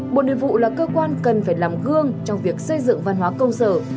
bộ nội vụ là cơ quan cần phải làm gương trong việc xây dựng văn hóa công sở